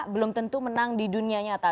belum tentu menang di dunia nyata